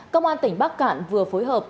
công an tỉnh bắc cạn vừa phối hợp